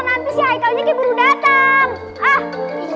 nanti si haikalnya lagi baru datang